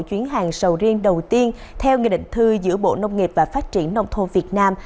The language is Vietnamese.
chuyến hàng sầu riêng đầu tiên theo nghị định thư giữa bộ nông nghiệp và phát triển nông thôn việt nam